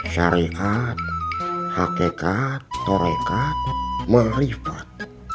syariat hakikat torekat mahlifat